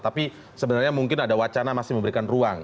tapi sebenarnya mungkin ada wacana masih memberikan ruang